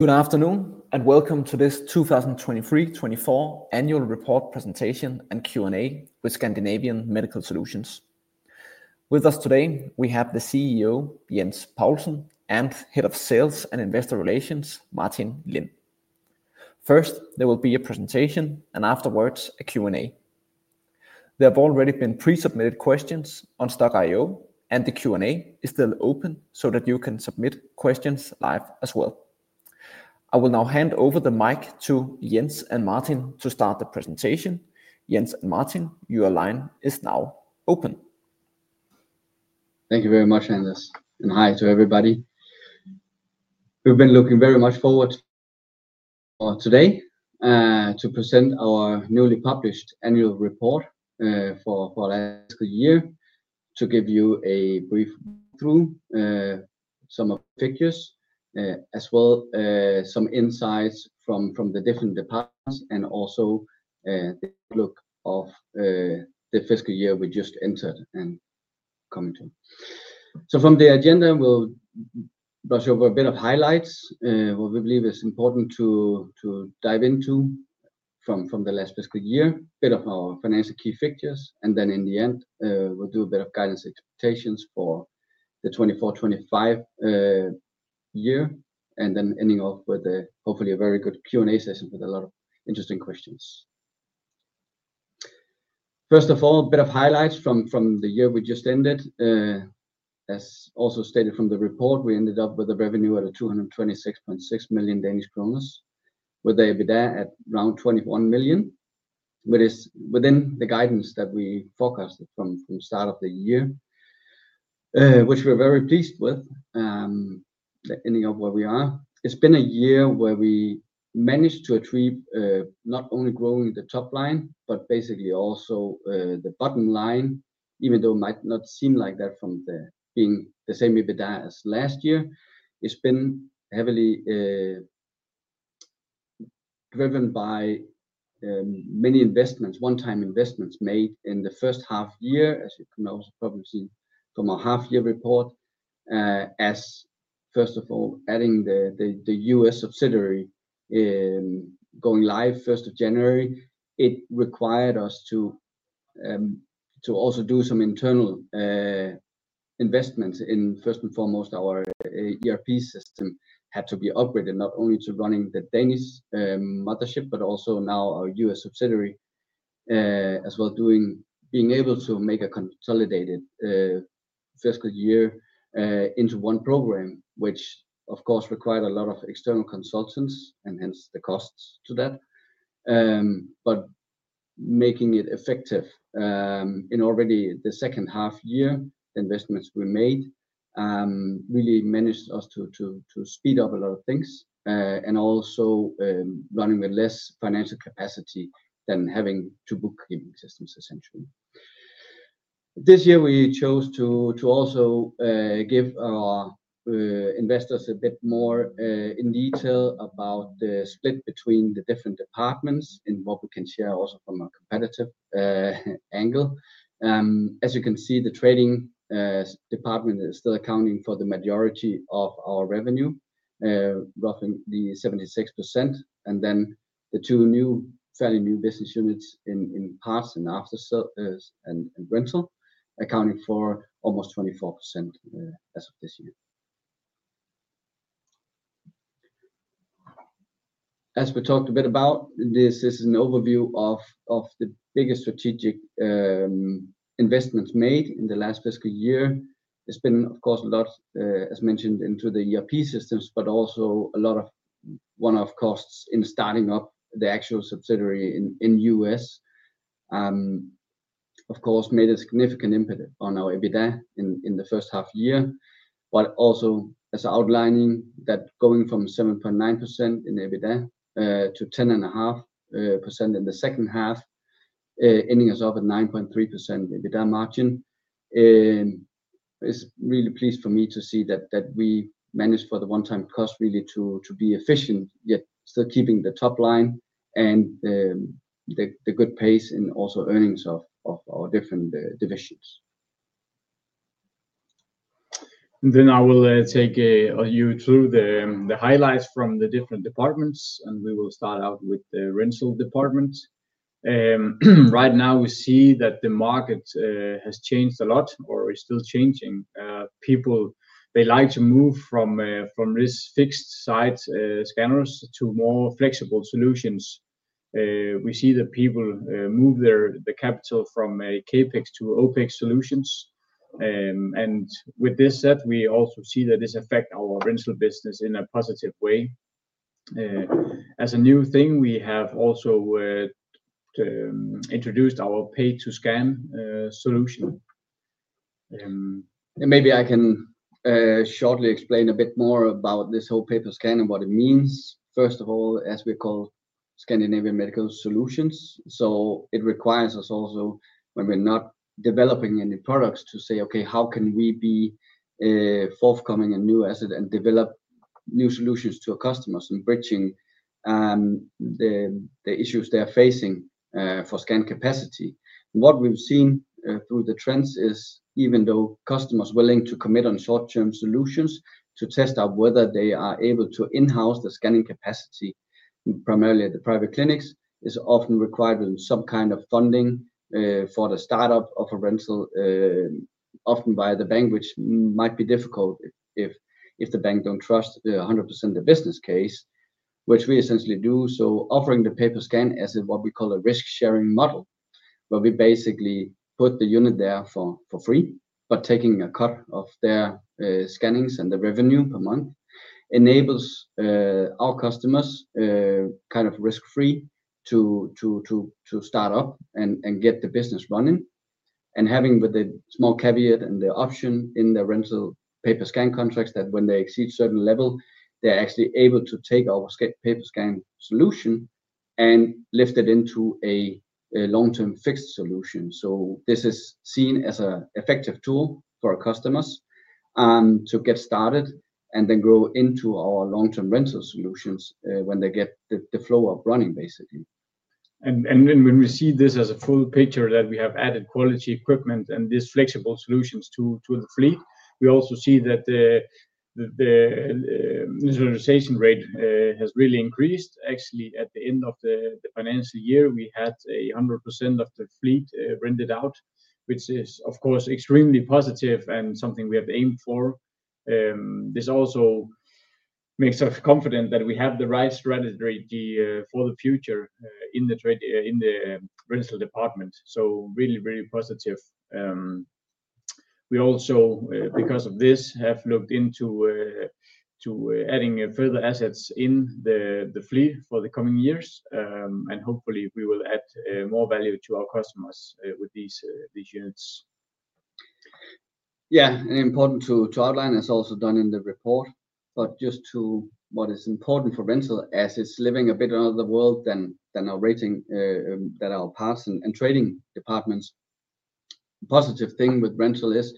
Good afternoon, and welcome to this 2023/2024 Annual Report presentation and Q&A with Scandinavian Medical Solutions. With us today, we have the CEO, Jens Paulsen, and Head of Sales and Investor Relations, Martin Lind. First, there will be a presentation, and afterwards, a Q&A. There have already been pre-submitted questions on Stokk.io, and the Q&A is still open so that you can submit questions live as well. I will now hand over the mic to Jens and Martin to start the presentation. Jens and Martin, your line is now open. Thank you very much, Anders, and hi to everybody. We've been looking very much forward to today to present our newly published annual report for last year, to give you a brief through some of the figures, as well as some insights from the different departments and also the look of the fiscal year we just entered and come into, so from the agenda, we'll brush over a bit of highlights, what we believe is important to dive into from the last fiscal year, a bit of our financial key figures, and then in the end, we'll do a bit of guidance expectations for the 2024-2025 year, and then ending off with hopefully a very good Q&A session with a lot of interesting questions. First of all, a bit of highlights from the year we just ended. As also stated from the report, we ended up with a revenue of 226.6 million Danish kroner, with the EBITDA at around 21 million, which is within the guidance that we forecasted from the start of the year, which we're very pleased with, ending up where we are. It's been a year where we managed to achieve not only growing the top line, but basically also the bottom line, even though it might not seem like that from being the same EBITDA as last year. It's been heavily driven by many investments, one-time investments made in the first half year, as you can also probably see from our half-year report, as first of all, adding the U.S. subsidiary going live 1st of January. It required us to also do some internal investments in first and foremost, our ERP system had to be upgraded, not only to running the Danish mothership, but also now our U.S. subsidiary, as well as being able to make a consolidated fiscal year into one program, which of course required a lot of external consultants and hence the costs to that. But making it effective in already the second half year, the investments we made really managed us to speed up a lot of things and also running with less financial capacity than having two bookkeeping systems, essentially. This year, we chose to also give our investors a bit more in detail about the split between the different departments and what we can share also from a competitive angle. As you can see, the trading department is still accounting for the majority of our revenue, roughly 76%, and then the two new, fairly new business units in parts and after-sales and rental accounting for almost 24% as of this year. As we talked a bit about, this is an overview of the biggest strategic investments made in the last fiscal year. There's been, of course, a lot, as mentioned, into the ERP systems, but also a lot of one-off costs in starting up the actual subsidiary in the U.S., of course, made a significant impact on our EBITDA in the first half year, but also as outlining that going from 7.9% in EBITDA to 10.5% in the second half, ending us up at 9.3% EBITDA margin. It's really pleased for me to see that we managed for the one-time cost really to be efficient, yet still keeping the top line and the good pace in also earnings of our different divisions. Then I will take you through the highlights from the different departments, and we will start out with the rental department. Right now, we see that the market has changed a lot or is still changing. People, they like to move from this fixed site scanners to more flexible solutions. We see that people move their capital from CapEx to OpEx solutions. And with this set, we also see that this affects our rental business in a positive way. As a new thing, we have also introduced our Pay‑Per‑Scan solution. Maybe I can shortly explain a bit more about this whole Pay‑Per‑Scan and what it means. First of all, as we're called Scandinavian Medical Solutions, so it requires us also, when we're not developing any products, to say, okay, how can we be forthcoming and innovative and develop new solutions to our customers and bridging the issues they're facing for scanning capacity. What we've seen through the trends is, even though customers are willing to commit on short-term solutions to test out whether they are able to in-house the scanning capacity, primarily at the private clinics, is often required with some kind of funding for the startup of a rental, often via the bank, which might be difficult if the bank don't trust 100% the business case, which we essentially do. So, offering the Pay‑Per‑Scan as what we call a risk-sharing model, where we basically put the unit there for free, but taking a cut of their scans and the revenue per month enables our customers kind of risk-free to start up and get the business running. And having with the small caveat and the option in the rental Pay‑Per‑Scan contracts that when they exceed certain level, they're actually able to take our Pay‑Per‑Scan solution and lift it into a long-term fixed solution. So this is seen as an effective tool for our customers to get started and then grow into our long-term rental solutions when they get the flow of running, basically. And when we see this as a full picture that we have added quality equipment and these flexible solutions to the fleet, we also see that the utilization rate has really increased. Actually, at the end of the financial year, we had 100% of the fleet rented out, which is, of course, extremely positive and something we have aimed for. This also makes us confident that we have the right strategy for the future in the rental department. So really, really positive. We also, because of this, have looked into adding further assets in the fleet for the coming years, and hopefully, we will add more value to our customers with these units. Yeah, and important to outline, it's also done in the report, but just to what is important for rental as it's living a bit out of the world from our trading and our parts and trading departments. Positive thing with rental is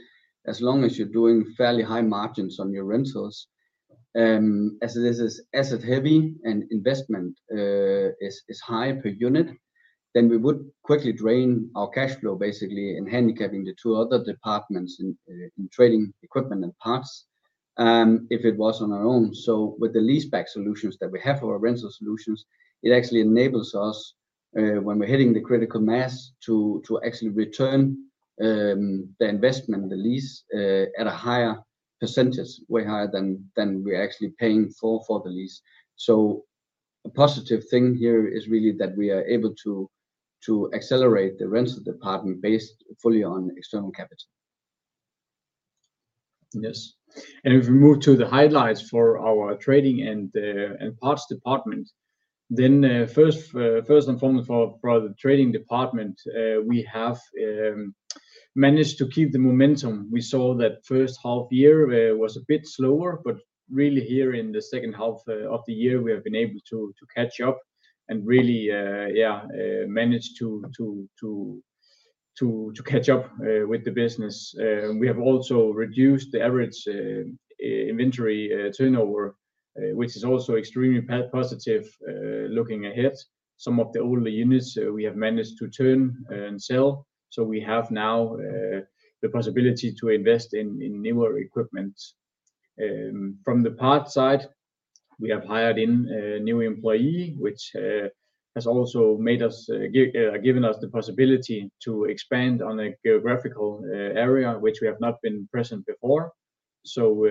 as long as you're doing fairly high margins on your rentals, as this is asset-heavy and investment is high per unit, then we would quickly drain our cash flow, basically in handicapping the two other departments in trading equipment and parts if it was on our own. So with the lease-back solutions that we have for our rental solutions, it actually enables us, when we're hitting the critical mass, to actually return the investment, the lease at a higher percentage, way higher than we're actually paying for the lease. A positive thing here is really that we are able to accelerate the rental department based fully on external capital. Yes, and if we move to the highlights for our trading and parts department, then first and foremost for the trading department, we have managed to keep the momentum. We saw that first half year was a bit slower, but really here in the second half of the year, we have been able to catch up and really, yeah, managed to catch up with the business. We have also reduced the average inventory turnover, which is also extremely positive looking ahead. Some of the older units we have managed to turn and sell. So we have now the possibility to invest in newer equipment. From the parts side, we have hired in a new employee, which has also given us the possibility to expand on a geographical area, which we have not been present before. So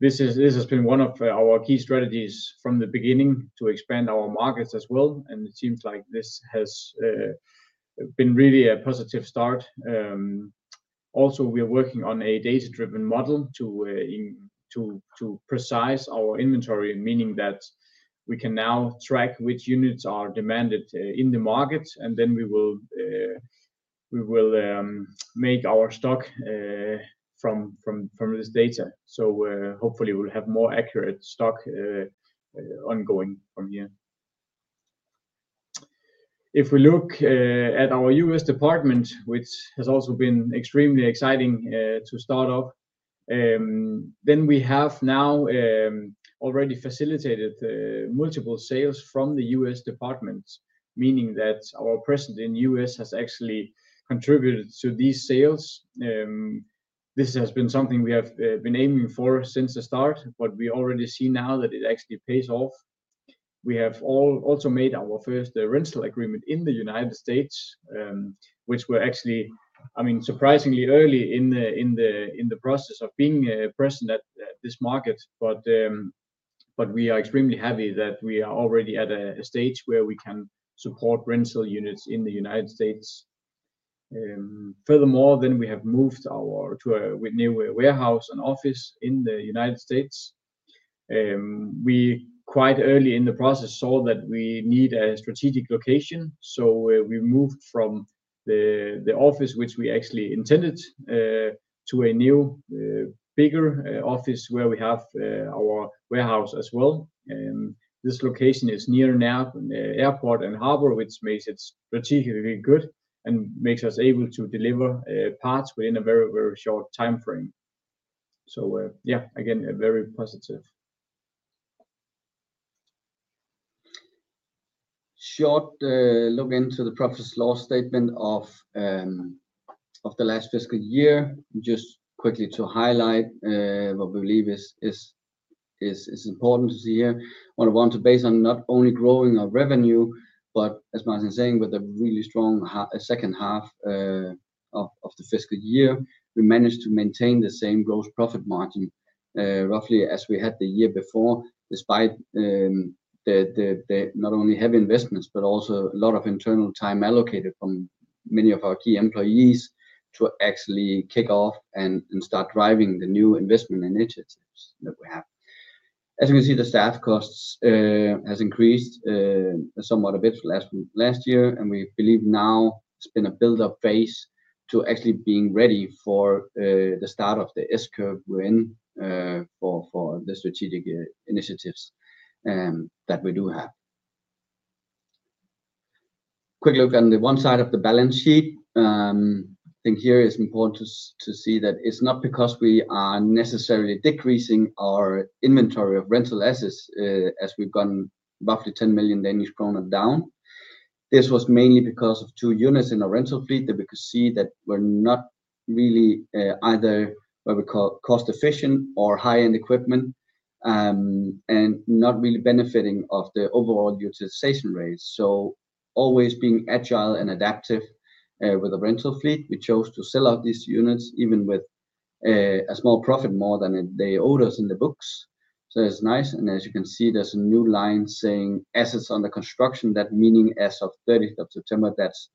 this has been one of our key strategies from the beginning to expand our markets as well. And it seems like this has been really a positive start. Also, we are working on a data-driven model to precise our inventory, meaning that we can now track which units are demanded in the market, and then we will make our stock from this data. So hopefully, we'll have more accurate stock ongoing from here. If we look at our U.S. department, which has also been extremely exciting to start off, then we have now already facilitated multiple sales from the U.S. department, meaning that our presence in the U.S. has actually contributed to these sales. This has been something we have been aiming for since the start, but we already see now that it actually pays off. We have also made our first rental agreement in the United States, which we're actually, I mean, surprisingly early in the process of being present at this market, but we are extremely happy that we are already at a stage where we can support rental units in the United States. Furthermore, then we have moved our new warehouse and office in the United States. We quite early in the process saw that we need a strategic location. So we moved from the office, which we actually intended, to a new bigger office where we have our warehouse as well. This location is near an airport and harbor, which makes it strategically good and makes us able to deliver parts within a very, very short time frame. So yeah, again, very positive. Short look into the P&L statement of the last fiscal year, just quickly to highlight what we believe is important to see here. On a one-to-one basis, not only growing our revenue, but as Martin's saying, with a really strong second half of the fiscal year, we managed to maintain the same gross profit margin roughly as we had the year before, despite not only heavy investments, but also a lot of internal time allocated from many of our key employees to actually kick off and start driving the new investment initiatives that we have. As you can see, the staff costs have increased somewhat a bit last year, and we believe now it's been a build-up phase to actually being ready for the start of the S-curve we're in for the strategic initiatives that we do have. Quick look on the asset side of the balance sheet. I think here it's important to see that it's not because we are necessarily decreasing our inventory of rental assets as we've gone roughly 10 million Danish kroner down. This was mainly because of two units in our rental fleet that we could see that were not really either what we call cost-efficient or high-end equipment and not really benefiting of the overall utilization rate. So always being agile and adaptive with the rental fleet, we chose to sell out these units even with a small profit more than they owed us in the books. So it's nice, and as you can see, there's a new line saying assets under construction, that meaning as of 30th of September, that's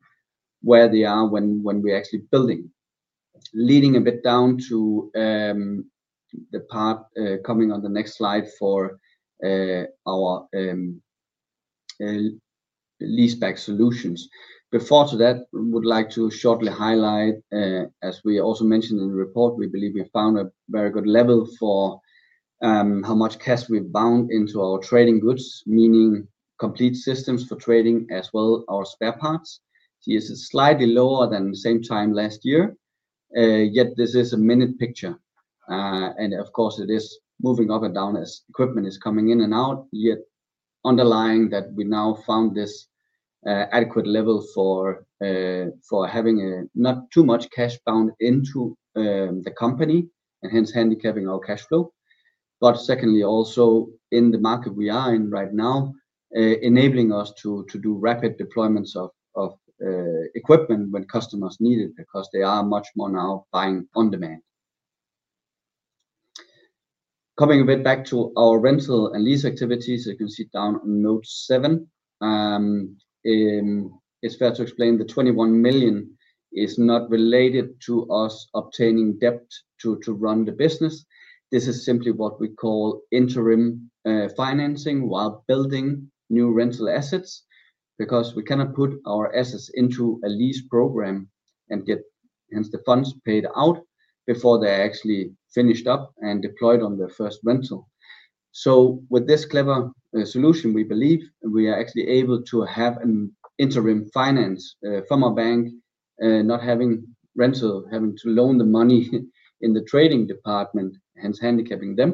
where they are when we're actually building. Leading a bit down to the part coming on the next slide for our lease-back solutions. Prior to that, we would like to shortly highlight, as we also mentioned in the report, we believe we found a very good level for how much cash we've bound into our trading goods, meaning complete systems for trading as well as our spare parts. It is slightly lower than same time last year, yet this is a minute picture, and of course, it is moving up and down as equipment is coming in and out, yet underlying that we now found this adequate level for having not too much cash bound into the company and hence handicapping our cash flow, but secondly, also in the market we are in right now, enabling us to do rapid deployments of equipment when customers need it because they are much more now buying on demand. Coming a bit back to our rental and lease activities, as you can see down on note seven, it's fair to explain the 21 million is not related to us obtaining debt to run the business. This is simply what we call interim financing while building new rental assets because we cannot put our assets into a lease program and get hence the funds paid out before they're actually finished up and deployed on the first rental, so with this clever solution, we believe we are actually able to have an interim finance from our bank, not having rental, having to loan the money in the trading department, hence handicapping them,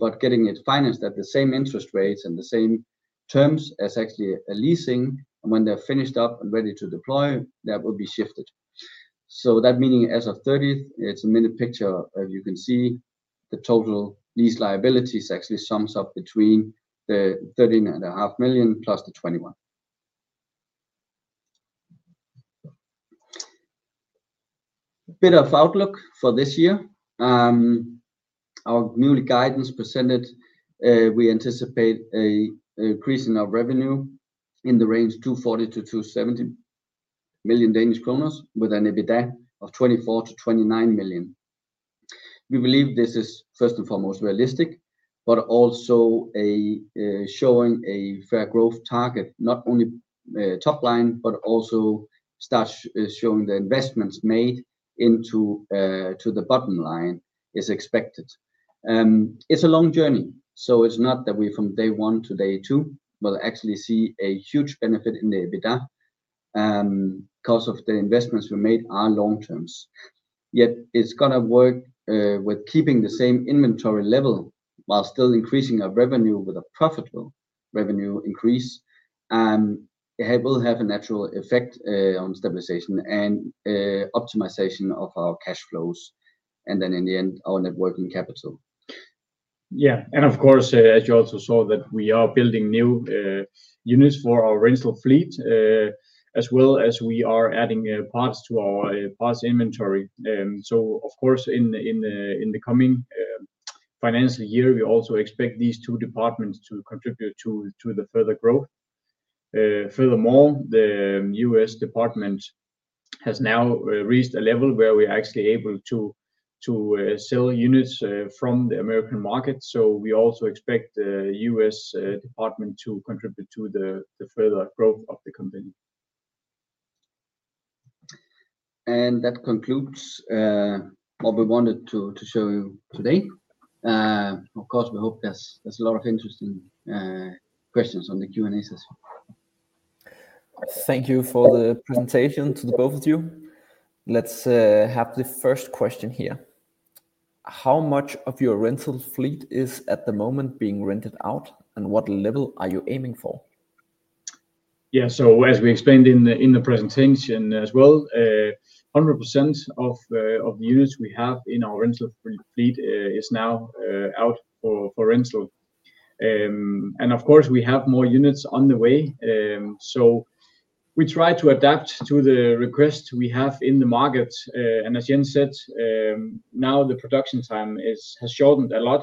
but getting it financed at the same interest rates and the same terms as actually a leasing, and when they're finished up and ready to deploy, that will be shifted. That meaning as of the 30th, it's a minute picture. You can see the total lease liabilities actually sums up between the 13.5 million plus the 21 million. A bit of outlook for this year. Our new guidance presented, we anticipate an increase in our revenue in the range 240 million-270 million Danish kroner with an EBITDA of 24 million-29 million. We believe this is first and foremost realistic, but also showing a fair growth target, not only top line, but also start showing the investments made into the bottom line is expected. It's a long journey, so it's not that we from day one to day two will actually see a huge benefit in the EBITDA because of the investments we made are long terms. Yet it's going to work with keeping the same inventory level while still increasing our revenue with a profitable revenue increase. It will have a natural effect on stabilization and optimization of our cash flows and then in the end, our net working capital. Yeah, and of course, as you also saw, that we are building new units for our rental fleet, as well as we are adding parts to our parts inventory, so of course, in the coming financial year, we also expect these two departments to contribute to the further growth. Furthermore, the U.S. department has now reached a level where we are actually able to sell units from the American market, so we also expect the U.S. department to contribute to the further growth of the company. That concludes what we wanted to show you today. Of course, we hope there's a lot of interesting questions on the Q&A session. Thank you for the presentation to the both of you. Let's have the first question here. How much of your rental fleet is at the moment being rented out and what level are you aiming for? Yeah. So as we explained in the presentation as well, 100% of the units we have in our rental fleet is now out for rental. And of course, we have more units on the way. So we try to adapt to the request we have in the market. And as Jen said, now the production time has shortened a lot.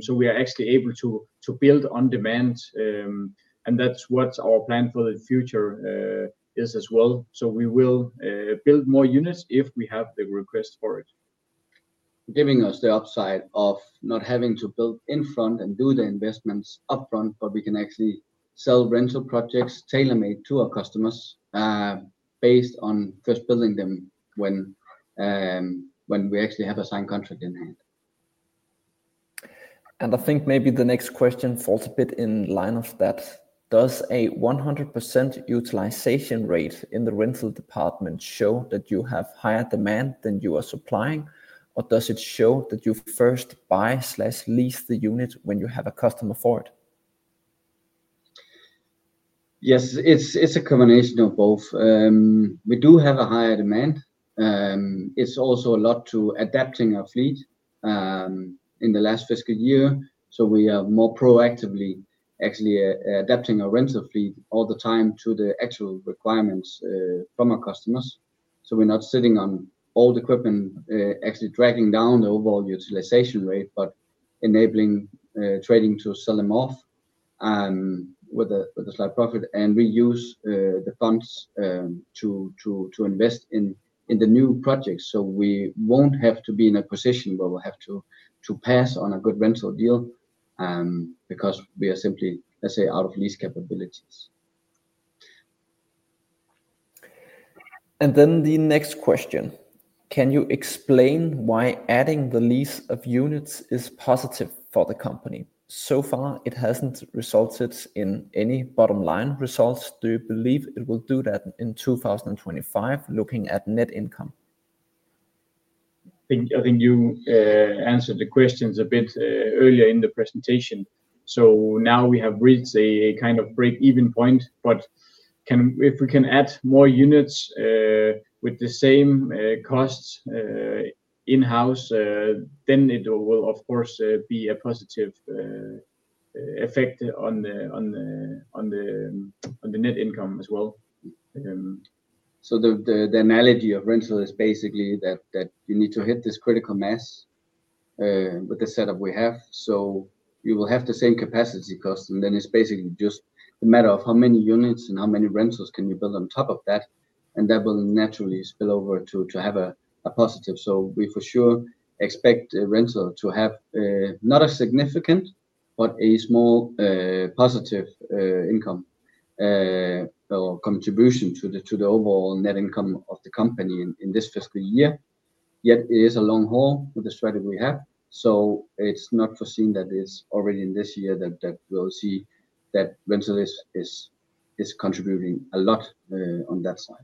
So we are actually able to build on demand. And that's what our plan for the future is as well. So we will build more units if we have the request for it. Giving us the upside of not having to build in front and do the investments upfront, but we can actually sell rental projects tailor-made to our customers based on first building them when we actually have a signed contract in hand. I think maybe the next question falls a bit in line of that. Does a 100% utilization rate in the rental department show that you have higher demand than you are supplying, or does it show that you first buy/lease the unit when you have a customer for it? Yes, it's a combination of both. We do have a higher demand. It's also a lot due to adapting our fleet in the last fiscal year. So we are more proactively actually adapting our rental fleet all the time to the actual requirements from our customers. So we're not sitting on old equipment, actually dragging down the overall utilization rate, but enabling trading to sell them off with a slight profit and reuse the funds to invest in the new projects. So we won't have to be in a position where we have to pass on a good rental deal because we are simply, let's say, out of lease capabilities. Then the next question. Can you explain why adding the lease of units is positive for the company? So far, it hasn't resulted in any bottom line results. Do you believe it will do that in 2025, looking at net income? I think you answered the questions a bit earlier in the presentation. So now we have reached a kind of break-even point, but if we can add more units with the same costs in-house, then it will, of course, be a positive effect on the net income as well. The analogy of rental is basically that you need to hit this critical mass with the setup we have. You will have the same capacity cost, and then it's basically just a matter of how many units and how many rentals can you build on top of that, and that will naturally spill over to have a positive. We for sure expect a rental to have not a significant, but a small positive income or contribution to the overall net income of the company in this fiscal year. Yet it is a long haul with the strategy we have. It's not foreseen that it's already in this year that we'll see that rental is contributing a lot on that side.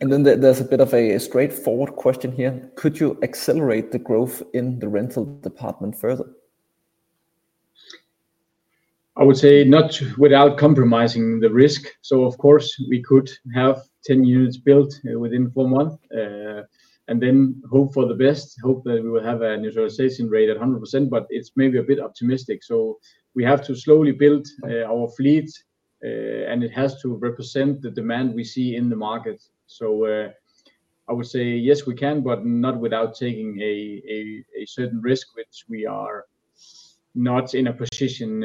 There's a bit of a straightforward question here. Could you accelerate the growth in the rental department further? I would say not without compromising the risk. So of course, we could have 10 units built within four months and then hope for the best, hope that we will have a utilization rate at 100%, but it's maybe a bit optimistic. So we have to slowly build our fleet, and it has to represent the demand we see in the market. So I would say yes, we can, but not without taking a certain risk, which we are not in a position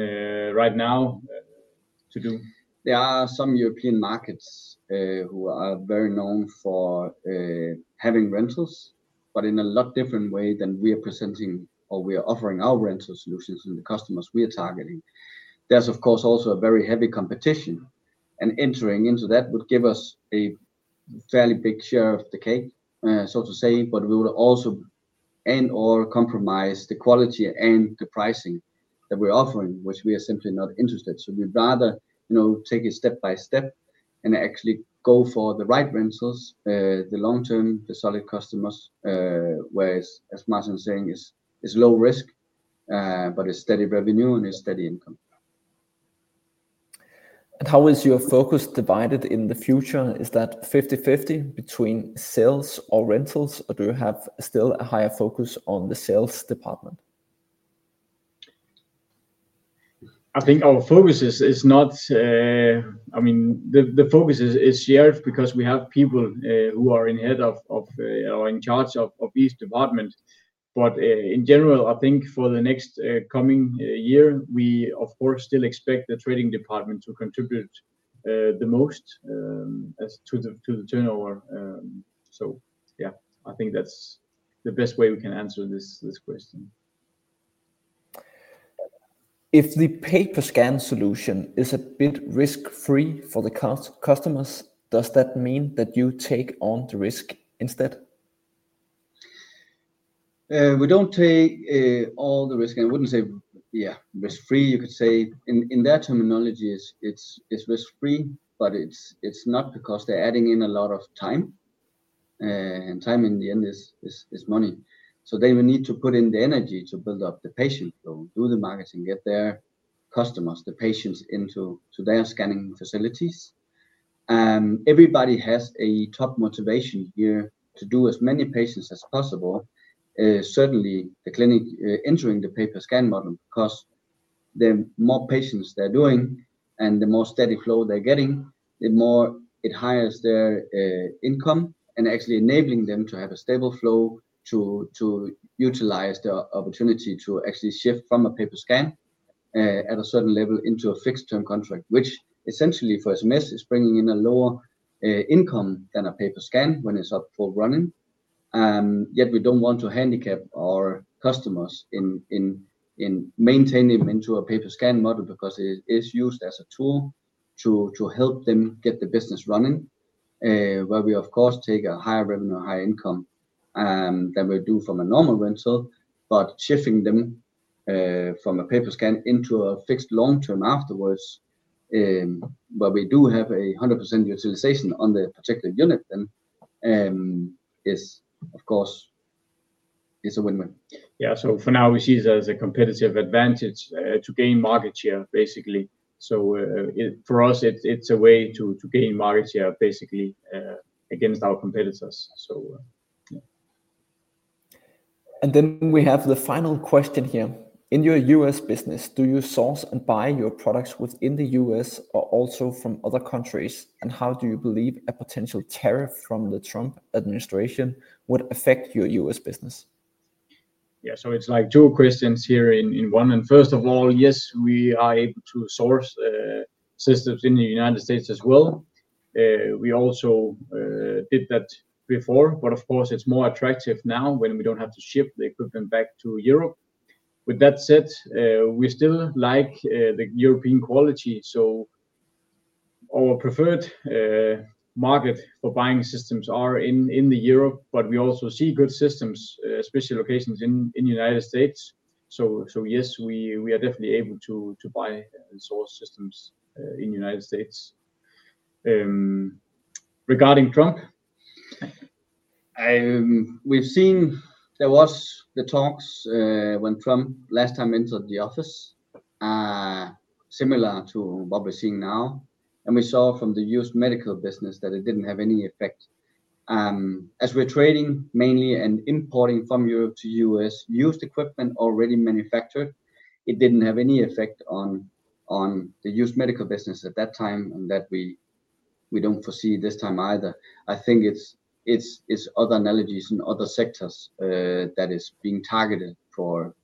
right now to do. There are some European markets who are very known for having rentals, but in a lot different way than we are presenting or we are offering our rental solutions and the customers we are targeting. There's, of course, also a very heavy competition, and entering into that would give us a fairly big share of the cake, so to say, but we would also end all compromise, the quality and the pricing that we're offering, which we are simply not interested, so we'd rather take it step by step and actually go for the right rentals, the long term, the solid customers, whereas, as Martin's saying, it's low risk, but it's steady revenue and it's steady income. And how is your focus divided in the future? Is that 50/50 between sales or rentals, or do you have still a higher focus on the sales department? I think our focus is not, I mean, the focus is shared because we have people who are head of or in charge of each department. But in general, I think for the next coming year, we, of course, still expect the trading department to contribute the most to the turnover. So yeah, I think that's the best way we can answer this question. If the Pay‑Per‑Scan solution is a bit risk-free for the customers, does that mean that you take on the risk instead? We don't take all the risk. I wouldn't say, yeah, risk-free. You could say in their terminology, it's risk-free, but it's not because they're adding in a lot of time. Time in the end is money. So they will need to put in the energy to build up the patient flow, do the marketing, get their customers, the patients into their scanning facilities. Everybody has a top motivation here to do as many patients as possible, certainly the clinic entering the Pay‑Per‑Scan model because the more patients they're doing and the more steady flow they're getting, the more their income rises and actually enabling them to have a stable flow to utilize the opportunity to actually shift from a Pay‑Per‑Scan at a certain level into a fixed-term contract, which essentially for SMS is bringing in a lower income than a Pay‑Per‑Scan when it's up for running. Yet we don't want to handicap our customers in maintaining them into a Pay‑Per‑Scan model because it is used as a tool to help them get the business running, where we, of course, take a higher revenue, higher income than we do from a normal rental, but shifting them from a Pay‑Per‑Scan into a fixed long-term afterwards, where we do have a 100% utilization on the particular unit then, of course, is a win-win. Yeah. So for now, we see it as a competitive advantage to gain market share, basically. So for us, it's a way to gain market share, basically, against our competitors. We have the final question here. In your U.S. business, do you source and buy your products within the U.S. or also from other countries? How do you believe a potential tariff from the Trump administration would affect your U.S. business? Yeah. So it's like two questions here in one. And first of all, yes, we are able to source systems in the United States as well. We also did that before, but of course, it's more attractive now when we don't have to ship the equipment back to Europe. With that said, we still like the European quality. So our preferred market for buying systems are in Europe, but we also see good systems, especially locations in the United States. So yes, we are definitely able to buy and source systems in the United States. Regarding Trump? We've seen there was the talks when Trump last time entered the office, similar to what we're seeing now, and we saw from the used medical business that it didn't have any effect. As we're trading mainly and importing from Europe to U.S., used equipment already manufactured, it didn't have any effect on the used medical business at that time and that we don't foresee this time either. I think it's other analogies in other sectors that are being targeted for,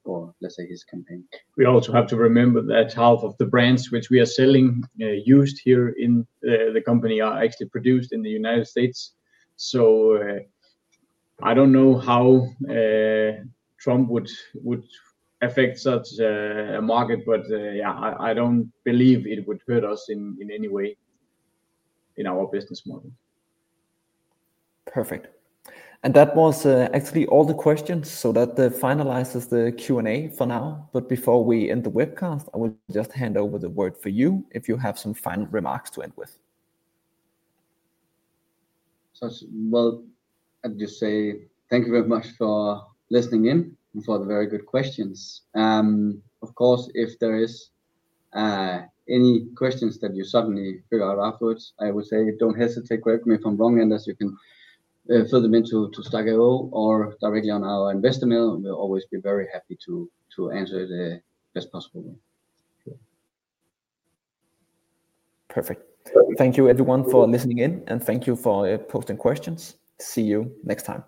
let's say, his campaign. We also have to remember that half of the brands which we are selling used here in the company are actually produced in the United States. So I don't know how Trump would affect such a market, but yeah, I don't believe it would hurt us in any way in our business model. Perfect. And that was actually all the questions. So that finalizes the Q&A for now. But before we end the webcast, I will just hand over the word for you if you have some final remarks to end with. I'd just say thank you very much for listening in and for the very good questions. Of course, if there are any questions that you suddenly figure out afterwards, I would say don't hesitate to correct me if I'm wrong and as you can fill them into Stokk.io or directly on our investor mail. We'll always be very happy to answer the best possible way. Perfect. Thank you, everyone, for listening in, and thank you for posting questions. See you next time.